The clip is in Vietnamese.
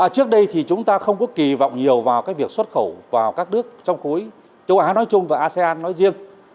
trước đây thì chúng ta không có kỳ vọng nhiều vào việc xuất khẩu vào các nước trong khối châu á nói chung và asean nói riêng